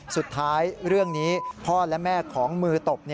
สุดท้ายเรื่องนี้พ่อและแม่ของมือตบ